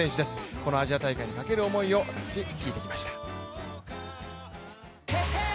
このアジア大会にかける思いを私、聞いてきました。